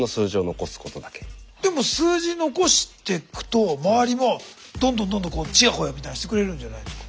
でも数字残してくと周りはどんどんどんどんちやほやみたいにしてくれるんじゃないんですか？